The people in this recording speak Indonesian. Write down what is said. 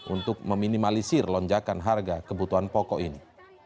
untuk meminimalisir lonjakan harga kebutuhan pokok ini